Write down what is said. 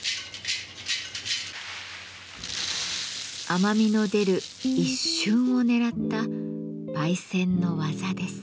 甘みの出る一瞬を狙った焙煎の技です。